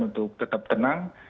untuk tetap tenang